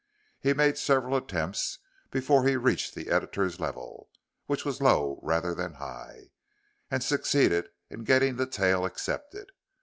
He made several attempts before he reached the editor's level, which was low rather than high, and succeeded in getting the tale accepted.